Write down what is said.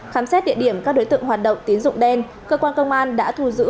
khám xét địa điểm các đối tượng hoạt động tín dụng đen cơ quan công an đã thu giữ